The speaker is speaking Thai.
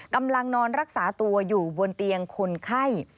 กำลังนอนรักษาตัวอยู่บนเตียงคนไข้